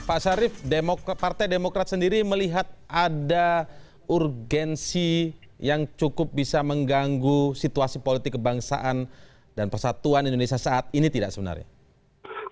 pak syarif partai demokrat sendiri melihat ada urgensi yang cukup bisa mengganggu situasi politik kebangsaan dan persatuan indonesia saat ini tidak sebenarnya